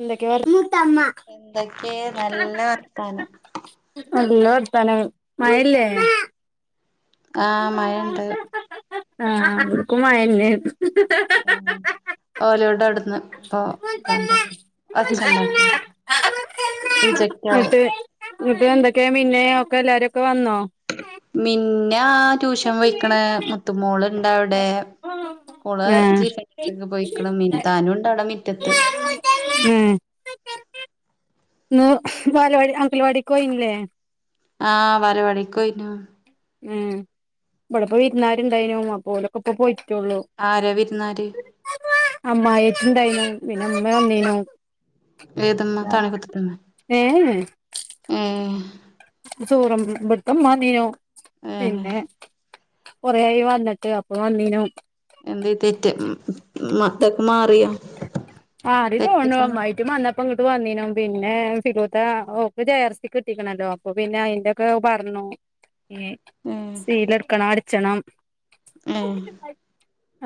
എന്തകൊ വർ മൂത്തമ്മാ എന്തൊക്കെ നല്ല വർത്താനം. നല്ല വർത്താനം മഴ ഇല്ലേ ആഹ് മഴണ്ട് ആഹ് ഇവെട്ക്കും മഴന്നെ ആണ് ആഹ് ഓലോട് അയുട്ന്ന് ഓഹ് കാ ന്താട്ടെല്ലെ എടി ഒച്ഛണ്ടാക്കെല്ലെ റിജെക്ട് ആവും വീട്ട്ൽ എന്തൊക്കെ പിന്നെ ഒക്കെ എല്ലാരും ഒക്കെ വന്നോ? മിന്നാ ട്യൂഷെൻ പോയ്‌ക്ക്ണ് മുത്തുമോള് ഇൺ ത്താ അയുടെ ഓൾ ആഹ് ജീഫെന്റെ എട്ത്ത്ക്ക് പോയിക്ക്ണ് മിൻ താനു ഇണ്ട് അയുടെ മിറ്റെത്ത് ഏഹ് ഇന്ന് വാലവാടി അങ്കെൽവാടിക്ക് പോയിന്ന്ല്ലെ? ആഹ് വാലവാടിക്ക് പോയ്‌നു ഏഹ് ഇവിടെ ഇപ്പോ വിര്ന്നാര് ഇണ്ടായ്നു അപ്പ ഓലൊക്കെ ഇപ്പ പോയിറ്റൊള്ളു ആര് വിര്ന്നാര്? അമ്മായിട്ടും ഇണ്ടായിനു. പിന്നെ ഇമ്മ വന്നിനു. ഏതമ്മ തണകുത്തിട്ടമ്മ [inaudible] ഏഹ് ഏഹ് ഏഹ് ഇജ് ചോറ് വെൾമ്പ് ഇബെട്ത്തെ ഇമ്മ വന്നിനു ഏഹ് പിന്നെ കൊറെ ആയി വന്ന്ട്ട് അപ്പ വന്നിനു എന്തെയ് തെറ്റ് മ് മത്തെക്ക്മാർ മാറി തോണു മാറി അമ്മായിക്ക് മന്ന ഇപ്പം ഇങ്ങെട്ട് വന്നിനു പിന്നെ ഫിലുത്താ ഓക്ക് ജെ ആറ് സി കിട്ടിക്ക്ണല്ലോ അപ്പൊ പിന്നെ അയ്ന്റെ ക്ക് അഹ് പർണു ഇഞ്ഞ് ഏഹ് സീല ഇട്ക്കെണം അട്ച്ചെണം ഏഹ്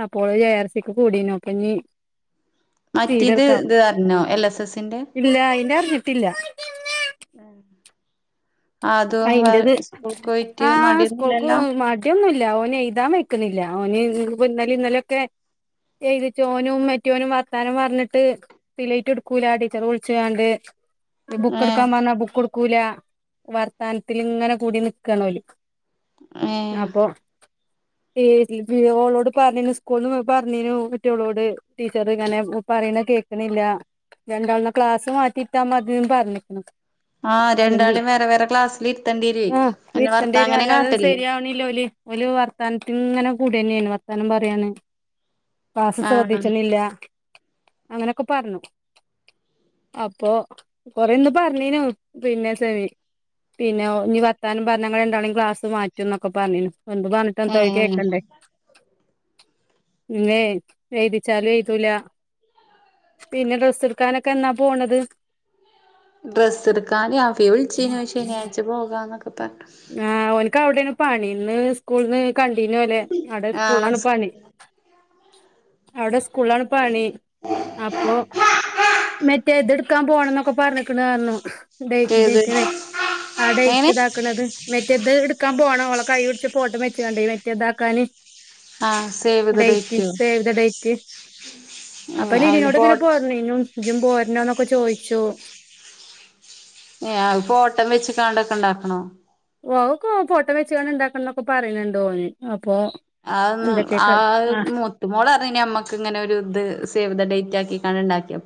അപ്പ ഓൾ ജെ ആറ് സിക്ക് കൂടിനു അപ്പ ഇഞ്ഞ് മറ്റെ ഇത് ഇത് അർണോ എൽ എസ് എസിന്റെ ഇല്ല അയിന്റെ അറ്ഞ്ഞ്ട്ട് ഇല്ല. ഏഹ് ആദോ വേ അയിന്റത് സ്കൂൾക്ക് പോയിട്ട് മടി ഒന്നും ഇല്ലല്ലോ ടി ഒന്നും ഇല്ല ഓന് എയ്താം വെയ്ക്ക്ണ് ഇല്ല. ഓന് ഇൻക്ക് ഇപ്പം ഇന്നെലിം ഇന്നെലിം ഒക്കെ എയ്തിച്ചു ഓനും മറ്റോനും വർത്താനം പർൺട്ട് സിലേറ്റ് ഇട്ക്കൂലാ ടീച്ചെറ് വുൾ ച്ച് കാണ്ട് ഇഞ്ഞ് ബുക്ക് ഏ ഇട്ക്കാൻ പർണാ ബുക്ക് ഇട്ക്കുലാവർ ത്താൻത്തിൽ ഇങ്ങനെ കൂടി നിക്കാണ് ഓല്. ഏ അപ്പോ [unintelligible] ഓളോട് പർണീനു സ്കൂൾന്ന് പർണീനു മറ്റോളോട് ടീച്ചെറ് ഇങ്ങനെ പറിണെ കേ ക്ക്ണ് ഇല്ലാ. രണ്ടാളും ഇന്നാ ക്ലാസ്സ് മാറ്റിയിര്താ മതിന്ന് പർൺക്ക്ണു. ആഹ് രണ്ടാളിം വേറെ വേറെ ക്ലാസിൽ ഇര് ഉം ഇര്ത്തെണ്ടി വെരും അല്ലാതെ സെരിയാവ്ണ് ഇല്ല ഓല്. ഓല് വർത്താൻത്ത്ന് ഇങ്ങനെ കൂടെന്നെയാണ് വർത്താനം പറിയാണ്. ക്ലാസ് ആ ശ്രദ്ധിച്ച്ണ് ഇല്ലാ അങ്ങനെയൊക്കെ പർണു അപ്പോ കൊറെ ഇന്ന് പർണിനു പിന്നെ സെമി പിന്നെ ഓ ഇഞ്ഞ് വർത്താനം പർണാ ഇങ്ങളെ രണ്ടാളിം ക്ലാസ് മാറ്റുംന്നൊക്കെ പർണിനു എന്തും പർൺ ട്ട് ഏ എന്താ ഓൽ കേക്കണ്ടെ? ഇഞ്ഞ് വേം എഴ്തിച്ചാലും എഴ്തൂലാ. പിന്നെ ഡ്രസ്സ് ഇട്ക്കാനൊക്കെ എന്നാ പോണെത്. ഡ്രസ്സ് ഇട്ക്കാന് അഫി വിൾച്ചീനു ശനി ആഴ്ച്ച പോകാന്നൊക്കെ പർണ്. ആഹ് ഓൻക്ക് അയുടെ ആണ് പണി. ഇന്ന് സ്കൂൾന്ന് കണ്ടിനു ഒലെ. അയുടെ ആ സ്കൂൾലാണ് സ്കൂ പണി. അയുടെ സ്ക്കൂളാണ് പണി. അപ്പോ മറ്റേ ഇത് ഇട്ക്കാം പോണംന്നൊക്കെ പർൺക്ക്ണ് പർണു. ഡേറ്റ് ഏത് ഡേക്കെറെയ് ആ എങ്ങനെ ഡേറ്റ് ഇതാക്ക്ണെത് മറ്റെ ഇത് ഇട്ക്കാം പോണം ഓളെ കൈ പുട്ച്ച് ഫോട്ടം വെച്ച് കാണ്ടെയ് മറ്റെ ഇതാക്കാന്. ആ സേവ് ദ ഡേറ്റ് ഡേറ്റോ സേവ് ദ ഡേറ്റ് ഏ അപ്പോ അതിന് ലിനിനോട് ഫോ ഇങ്ങനെ പോര് ണിനു ഇജും പോര്നോന്നൊക്കെ ചോയ്ച്ചു. ഏഹ് അയ് ഫോട്ടം വെച്ച്കാണ്ടൊക്കെ ഇണ്ടാക്ക്ണോ. ഓ അതൊക്കെ ഓൻ ഫോട്ടം വെച്ച്കാണ്ട് ഇണ്ടാക്കണം ന്നൊക്ക പറയ്ന്ന്ണ്ട് ഓന് അപ്പോ അതൊന്നും അത് മു ത്തുമോള് പറഞ്ഞ് ഇനി അമ്മക്ക് ഇങ്ങനെ ഒരു ഇത് സേവ് ദ ഡേറ്റ് ആക്കിക്കാണ്ട് ഇണ്ടാക്കിയ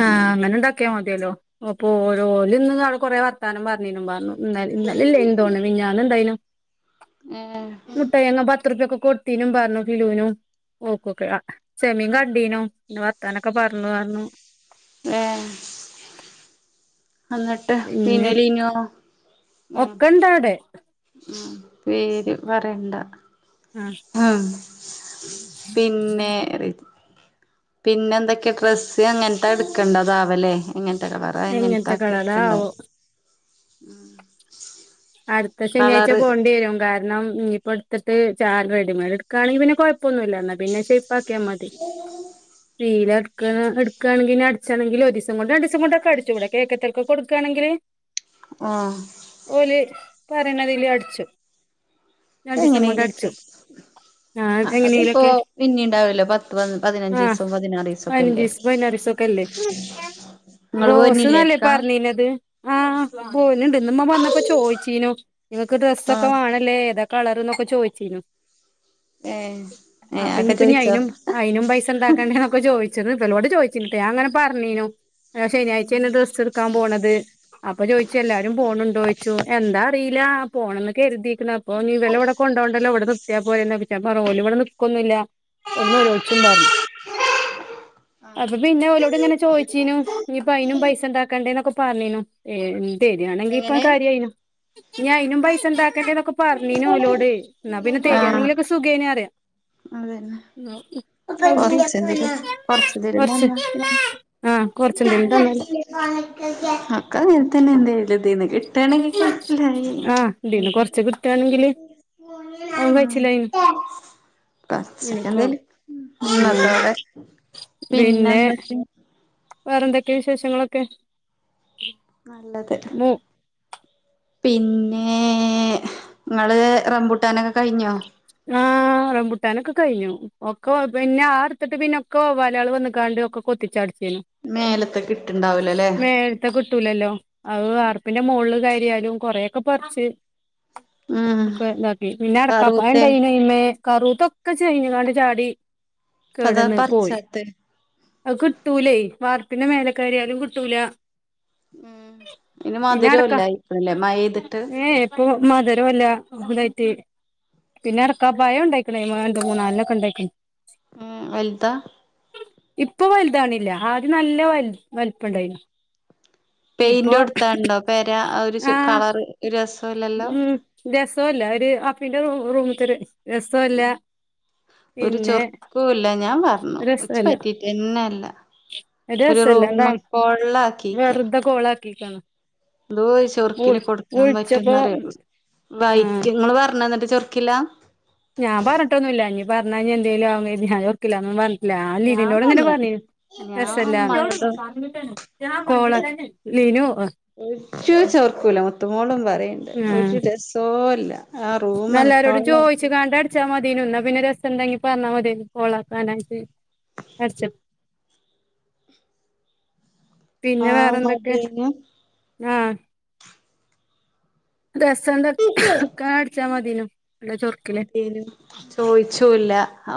ആഹ് അങ്ങനെണ്ടാക്കിയ മതിയല്ലോ. അപ്പോ ഓരോ ഓല് ഇന്ന് ആടെ കൊറെ വർത്താനം പറഞ്ഞീനു പറഞ്ഞു. ഇന്ന ഇന്നലെ ഇല്ലേനു തോന്ന്ണ് മിഞ്ഞാന്ന് ഇണ്ടായിനു. ഏഹ് മുട്ടായി വാങ്ങാൻ പത്തുറുപ്യ ഒക്കെ കൊടുത്തീനു പറഞ്ഞു ഫിലുനും. ഓക്കെ ഓക്കെ ആഹ് സെമീൻ കണ്ടീനു. പിന്നെ വർത്താനൊക്കെ പറഞ്ഞു അറഞ്ഞു. ഏഹ് അന്നിട്ട് ഇന്ന് പിന്നെ ലിനോ. ഏഹ് ഒക്കെ ഇണ്ടവിടെ ഉം പേര് പറയണ്ട. ആഹ്. ഹ പിന്നെ റി പിന്നെ എന്തൊക്കെയാ ഡ്രസ്സ് എങ്ങൻത്ത എടുക്കണ്ടതാവലെ. എങ്ങൻത്തെ കളറ എങ്ങൻത്തെ എങ്ങനത്തെ ഒക്കെ എടുക്കണ്ടാവ. കളറാവോ അട്ത്ത ശനിയാഴ്ച്ച കളറ് പോണ്ടി വരും. കാ രണം ഇനിപ്പ എടുത്തിട്ട് ചാ റെഡി മെയ്ഡ് എടുക്കാണെങ്കിൽ പിന്നെ കൊഴപ്പൊന്നുല്ല ഇന്ന പിന്നെ ഷേപ്പാ ക്കിയ മതി. [unintelligible] എട്ക്കണ എടുക്കാണെങ്കി ഇനി അടിച്ചണെങ്കിൽ ഒരീസം കൊണ്ട് അടി സം കൊണ്ടൊക്കെ അടിച്ചൂലെ കേക്കത്തിൾക്ക് കൊടുക്കാണെങ്കില്? ആഹ്. ഓല് പറയണതില് അടിച്ചും. രണ്ടീസം കൊണ്ട് തെങ്ങനേലും ഒക്കെ. അടിച്ചും ഞാൻ ആഹ് അതിപ്പോ എങ്ങനെലൊക്കെ പിന്നിം ഇണ്ടാവലോ പത്ത് പന്ത് പതിനഞ്ചീസം പതിനാറീസം ഒക്കെല്ലേ. ക്കെല്ലേ. ഇങ്ങള് പോര്നില്ലേ റോസ്ന്നല്ലേ എടുക്കാൻ പറഞ്ഞീനത്. ആഹ് പോര്ണ് ണ്ട് ഇന്ന് ഇമ്മ വന്നപ്പോ ചോയിച്ചീ നു. ഇങ്ങക്ക് ഡ്രസ്സ് ഒക്കെ ആഹ് വാണം ല്ലേ ഏതാ കളർന്നൊക്കെ ചോയ്ച്ചീനു. ഏഹ് ഏഹ് അപ്പം അതൊക്കെ ഇഞി പ്പോ ഇനി ചോയിച്ചോ അയിനും അയിനും പൈസ ഇണ്ടാ ക്കണ്ടൊക്കെ ചോദിച്ചി ഇവലോട് ചോദിച്ചിന്നുട്ടോ ഞാങ്ങനെ പറഞ്ഞീനു. ശനിയാഴ്ച്ചാന്ന് ഡ്രസ്സ് എടുക്കാൻ പോണത് അപ്പൊ ചോയിച്ചു എല്ലാരും പോണുണ്ടോ ചോയിച്ചു. എന്താറിയില്ല പോണം ന്ന് കരുതിയിക്കണ് അപ്പൊ നീ ഇവലെ ഇവിടെ കൊ ണ്ടോണ്ടല്ലോ ഇവിടെ നിത്തിയാ പോരെ [unintelligible] അപ്പൊ പറഞ്ഞു ഓല് ഇവിടെ നിക്കൊന്നില്ല ഓല് നോലോൾച്ചും പറഞ്ഞു. അപ്പൊ പിന്നെ ഓലോട് ഇങ്ങനെ ചോയിച്ചീനു ഇനി ഇപ്പ അയ്നും പൈസ ഇണ്ടാക്കണ്ടേ എന്നൊക്കെ പറഞ്ഞീനു ഏഹ് തെരിയാണെങ്കി ഇപ്പൊ എങ്ങനെ കാര്യായിനു ഇഞി അയിനും പൈസ ഉണ്ടാക്കണ്ടെ ക്കെ പറഞീന്നു ഓലോട് എന്നാ പിന്നെ ആഹ് തെരിയാണെങ്കിലൊക്കെ സുഖേനെ അറിയ. അതന്നെ. അവധി കൊറച്ചെന്തേലും കൊറച്ചതെരം കൊറച്ച് തന്ന ആഹ് കൊറച്ചെന്തേലും തന്നാല് അക്ക അങ്ങനെ തെന്നെ എന്തേലും ഇതിന് ആഹ് ഇതീന്ന് ഇല്ല കൊറച്ച് കിട്ടാണെങ്കില് അവും കൈച്ചിലായിന്. പച്ചക്കെന്തേലും ആഹ് ഇന്നത്തോടെ പിന്നെ പിന്നെന്താച്ച വേറെന്തൊക്കെ വിശേഷങ്ങളൊക്കെ? നല്ലത്. രി പിന്നേ ഇങ്ങള് റംബൂട്ടാനൊക്കെ കഴിഞ്ഞോ? ആഹ് റംമ്പുട്ടാനൊക്കെ കഴിഞ്ഞു. ഒക്കെ പിന്നെ ആ അടുത്തിട്ട് പിന്നെ ഒക്കെ പോ വവ്വലാള് വന്ന് കാണ്ട് ഒക്കെ കൊത്തിച്ചടിച്ചേനു. മേലത്തെ കിട്ടുണ്ടാവുലല്ലേ? ത കിട്ടൂലല്ലോ അത് വാർപ്പിന്റെ മോള് കാര്യാലും കുറൊക്കെ പച്ച് ഉം ഒക്കെ ഇന്താക്കി പിന്നെ അടക്ക കറൂത്തെ ണ്ടൈയിന് അയിന് കറുതൊക്കെ ചീഞ്ഞ്ങ്ങാണ്ട് ചാടി പതാ കേടന്ന് പോയി. പറിച്ചാത്തെ അ കിട്ടൂലേ വാർപ്പിന്റെ മേലക്കരിയാലും കിട്ടൂല ഉം ഇനി പിന്നെ അടക്ക മധുരല്ലയിക്കുന്ന് ഇപ്പല്ലേ മഴയ്തിട്ട് ഏ ഇപ്പൊ മതൊര ല്ല അതായിട്ട് പിന്നെ ഉം അടക്കപയം ഉണ്ടായിക്കാണയിമ്മ രണ്ട് മൂന്ന നാലൊണ്ണേക്കെ ഉണ്ടായിക്ണ് ഉം വൽതാ ഇപ്പൊ വലുതണില്ല ആദ്യം നല്ല വൽ വലിപ്പം ഉണ്ടായിന്നു പെയിന്റോടുത്താണ്ടോ പെര ആഹ് ഒരു ആ കളർ ഒരു രസ ഉം രസോല്ല ഒരു അഫിന്റെ റൂ റൂമത്ത ഒരു രസല്ല ഒരു ചൊറുകൂല്ല ഞാൻ പറഞ്ഞു ച്ച് രസല്ല പറ്റിട്ടെന്നെല്ല ഒരു റൂം കോളാക്കീക്കാ കൊളാക്കികന്നൊ എന്തോരു ചൊറുക്കില് കൊടുക്കാൻ പറ്റും പ്പോ വൈറ്റ് ങ്ങൾ പറഞ്ഞോ ന്നിട്ട് ചൊർക്കില്ല ഞാൻ പറഞ്ഞട്ടൊന്നുല്ല ഇഞ് പറഞ്ഞന്തേലും ആവുന്നർത്തി ഞാൻ ചൊർക്കില്ലന്ന പറഞ്ഞട്ടില്ല ഞാൻ ലിനോട് ഇങ്ങനെ പറഞ്ഞ് പറഞ്ഞു ഞാൻ രസല്ല ഉമ്മാനോടും കോള ലിനു ഒരു ചോർക്കൂല മുത്തുമോളും പറയണ്ട് ഒരു രസോല്ല റൂം ന്നാ ല്ലാരോടും അനക്കാവള്ളാക്കി ചോയിച്ച്ങ്ങാണ്ട അടിച്ചാ മതീനു ന്നാ പിന്നെ രസണ്ടങ്കി പറഞ്ഞാ മതിന്ന് കൊളാക്കാനായിട്ട് അർച്ച [inaudible] പിന്നെ വേറെന്തൊക്കെ മതിയേനു ആഹ് രസന്ത കാ ടിചമതീർന്നു അതേന ചോയിച്ചൂല്ല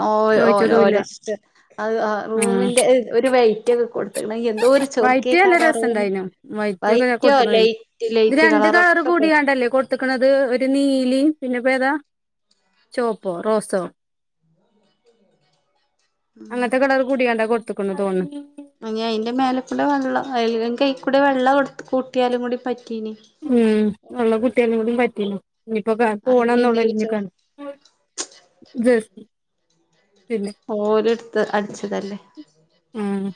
ഓ ഓര ഓ ചോയിച്ചതുല്ല അത് ആഹ് റൂമിന്റെ ഒരു വെറ്റ് ഒക്കെ കൊടുത്തക്കണം എന്തോ ഒരു വൈറ്റ് നല്ല ചൊറുക്കേക്കാരാ രസം റൂം ഇണ്ടായിന വൈറ്റ് ഒക്കെ വൈറ്റോ കൊട്ട ലൈറ്റ് ഇത് ലൈറ്റ് രണ്ട് കളറ് കളറൊക്കെ പറ്റും കൂടിയാണ്ടല്ലേ - ക്കുന്നത് ഒരു നീലി പിന്നെപ്പേതാ ചോപ്പോ റോസോ [inaudible] അങ്ങനത്തെ കളർ കുടിയാണ്ട കൊടുത്തക്കുണുന്ന് തോന്നന്ന് ഇനി അയിന്റെ മേലെക്കൂടെ വെള്ള അല്ലെങ്കി അയ് കൂടെ വെള്ള കൊടുത്ത് കൂട്ടിയാലും കൂടി പറ്റീനി ഉം വെള്ള കൂട്ടിയാ കൂടിം പറ്റീനി ഇനിപ്പോ കാക്കു അയിന് ഇനി ഒരു പോണന്നുള്ള ചോർ കാണ ആഹ് ജ ഓര്ടുത്ത് അടിച്ചതല്ലേ ആം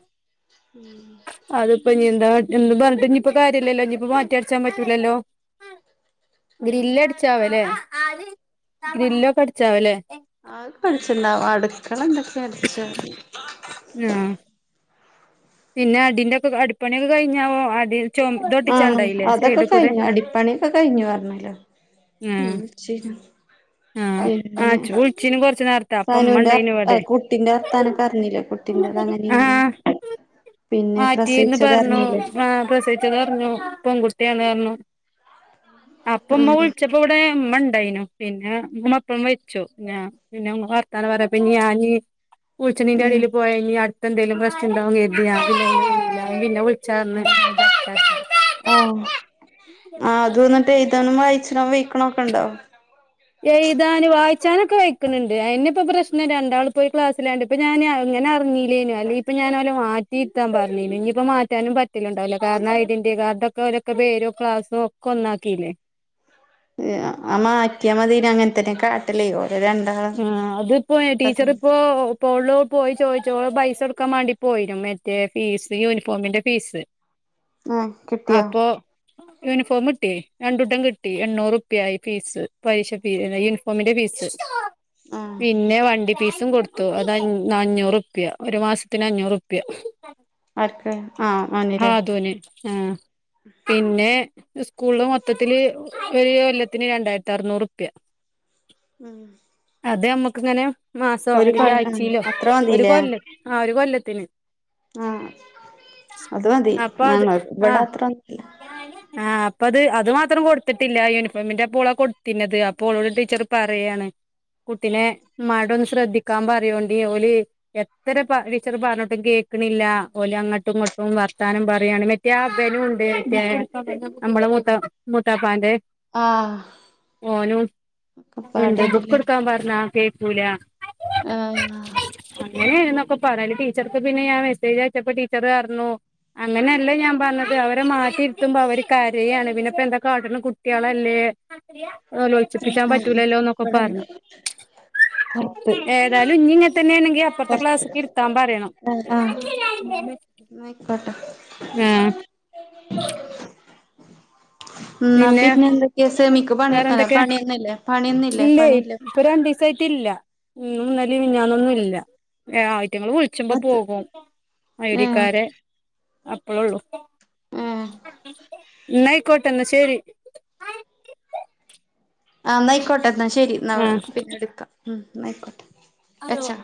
[inaudible] അതിപ്പ ഇനി എന്താ എന്ത പറഞ്ഞട്ട്പ്പ കാര്യല്ലല്ലോ ഇനിപ്പോ മാറ്റി അട്ച്ചാൻ പറ്റൂലല്ലോ ഗ്രില്ലടിച്ചാവല്ലേ ഗ്രില്ലൊക്കെ അടിച്ചാവല്ലേ ആ ഇപ്പൊ അടച്ചിണ്ടാവ അടുക്കള എന്തൊക്കെ അടിച്ച ആഹ് പിന്നെ അടിന്റെ ഒക്കെ അടിപ്പണിയൊക്കെ കഴിഞ്ഞാവോ അത് ആഹ് അതൊക്കെ കഴിഞ്ഞു അടിപ്പണിയൊക്കെ കഴിഞ്ഞു പറഞ്ഞല്ലോ ഉം ശെഹ് ആഹ് ആ ചോയിച്ചിനും കൊറച്ച് നേര സനുവിന്റെ വർത്താ കുട്ടിന്റെ വർത്താനൊക്കറിഞ്ഞില്ലേ കുട്ടിന്റെ അത് അങ്ങനെ ഇങ്ങനെ ആഹ് പിന്നെ മാറ്റീന്ന് പ്രസവിച്ചത് പറഞ്ഞു അറിഞ്ഞില്ലേ ആ പ്രസ- അറിഞ്ഞു പെൺകുട്ടിയാണ്‌ പറഞ്ഞു അപ്പമ്മ വിൾച്ച ഇപ്പോടെ ഇമ്മ ഇണ്ടേയിനു പിന്നെ മ്മപ്പും മരിച്ചു പിന്നെ വർത്താന പറയാ ഞാനീ വുളിച്ചണീന്റെ ഉം എടേൽ - പോയനി അടുത്തന്തേലും പ്രശ്നം ഇണ്ടാവും കരുതി പിന്നെ വിളിച്ചാ ആഹ് പറഞ്ഞ് ആ അത് വന്നിട്ട് എയ്താനും വായിചാനും വ ക്കണൊക്കണ്ടോ എയ്താൻ വായിച്ചാനൊക്കെ വയ്ക്ക്ണ് ണ്ട് അയ്നിപ്പൊ പ്രശ്നം രണ്ടാൾ പോയി ക്ലാസ്സിലാണ്ട് ഇപ്പൊ ഞാന് അങ്ങന അറിഞ്ഞീല്ലേനി അല്ല ഇപ്പ ഞാനോല മാറ്റിയിര്ത്താൻ പറഞ്ഞീ ഇനിയിപ്പ മാറ്റാനും പറ്റ ണ്ടാവില്ല കാരണം ഐഡന്റി കാർഡൊക്കെ ഓരെക്കെ പേരും ക്ലാസ്സോക്കെ ഒന്നാക്കില്ലേ ആ മാറ്റിയാ മതിയേനി അങ്ങനെത്തന്നെ കാട്ടലേ ഓലേ രണ്ടാ ആ അതിപ്പോ ടീച്ചർ ഇപ്പോ ഇപ്പോള് പോയി ചോദിച്ചോ പൈസോട്ക്കാൻ മാണ്ടി പോയിനു മറ്റേ ഫീസ് യൂണിഫോമിന്റെ പീസ് ആഹ് കിട്ടിയോ അപ്പൊ യൂണിഫോം കിട്ടിയേ രണ്ടൂട്ടം കിട്ടി എണ്ണൂറുപ്യായി ഫീസ് പലിശ ഫി അ യുണിഫോമിന്റെ പീസ് ആഹ് പിന്നെ വണ്ടി പീസും കൊടുത്ത ത്ത്‌ അതഞ്ഞൂറുപ്യ ഒരു മാസത്തിന് അഞ്ഞൂറുപ്യ ആർക്ക് ആഹ് ആ മോനിലെ ആതൂന് ആഹ പിന്നെ ഇസ്കൂളില് മൊത്തത്തില് ഒരു കൊല്ലത്തിന് രണ്ടായിര്ത്തി അറനൂറുപ്യ ഉം അത് നമ്മക്ക് ഇങ്ങനെ മാസോ ഒരു പ അല്ലെങ്കി ആഹ് ആഴ്ച്ചയിലോ അത്ര ഒരു മതില്ലേ കൊല്ലം ആ ഒരു കൊല്ലത്തിന് ആഹ അത് മതി അപ്പൊ അത് ഞങ്ങൾ ആ ഇവിടെ അത്രൊന്നുംല്ല ആഹ് അപ്പ അത് അത് മാത്രം കൊടുത്തിട്ടില്ല യൂണിഫോമിന്റെ പ്പോളാ കൊടുത്തിണത് അപ്പൊ ഓളോട് ടീച്ചർ പറയാണ് കുട്ടിനെ മ്മാടോന്ന് ശ്രദ്ധിക്കാ പറിയോണ്ട് ഓല് - എത്ര ടിച്ചർ പറഞ്ഞിട്ടും കേൾക്കണില്ല ഓലങ്ങട്ടും ഇങ്ങട്ടും വർത്താനം പറിയാണ് മ മറ്റെ ബനുംണ്ട് നമ്മള മുത്ത മുത്താപ്പാന്റെ ആഹ് ഓനും ഇണ്ട് ഒക്കപ്പാടേണ്ല്ലേ പറഞ്ഞ കേക്കൂല ആഹ അങ്ങനെന്നൊക്കെ പറഞ്ഞ് ടീച്ചർക്ക് പിന്നെ ഞാൻ മെസ്സേജ് അയച്ചപ്പോ ടീച്ചർ പറഞ്ഞു അങ്ങനെല്ല ഞാൻ പറഞ്ഞത് അവരെ മാറ്റിയരുത്തുമ്പോ അവര് കരയയാണ് പിന്നെപ്പൊന്താകാട്ട്ണ് കുട്ടിയേളല്ലേോനിലോൽപ്പിച്ചാൻ ആഹ് പറ്റൂലല്ലോന്നൊക്കെ ഇവിടെണ്ട് പറനോ പൊറത്ത് ഏതാലും ഇഞ്ഞിങ്ങനെതന്നെ ആണെങ്കി പ്പറത്തെ പൊറത്ത് ക്ലാസിക്കിരുത്താം പറയണം ആഹ് ആഹ് ആഹ് [inaudible] ന്നാ പിന്നെ പിന്നെന്തൊക്കെ സെമിക്ക് പണി വേറെ എന്തൊക്കെ പണിയൊന്നില്ലേ പണിയൊന്നുംല്ലേ പണില്ലേ ഇപ്പ രണ്ടീസായിട്ടില്ല ഇന്നുന്നലെ മിഞാനൊന്നുംല്ല ആഹ് യിറ്റങ്ങള് വുള്ച്ചുമ്പോ അത് പോകും ഏഹ് ഐഡിക്കാര് അപ്പഴ്യോള്ളൂ ഏഹ് ന്നായിക്കോട്ടന്ന ശേരി ആഹ് ന്നയിക്കോട്ടെ എന്നാ ശരി എന്നാ ആ പിന്നെടുക്കാം ഉം ന്നയിക്കോട്ടെ വെച്ചോ